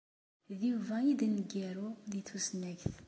D Yuba ay d aneggaru deg tusnakt.